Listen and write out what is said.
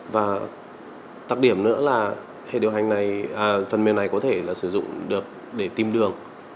và đặc điểm nữa là hệ điều hành này phần mềm này có thể là sử dụng được để tìm đường